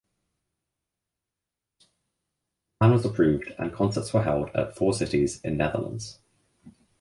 The plan was approved and concerts were held at four cities in Netherlands.